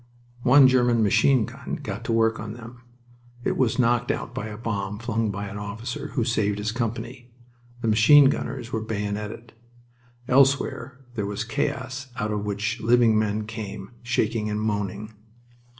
One German machine gun got to work on them. It was knocked out by a bomb flung by an officer who saved his company. The machine gunners were bayoneted. Elsewhere there was chaos out of which living men came, shaking and moaning.